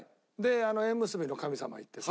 あの縁結びの神様行ってさ。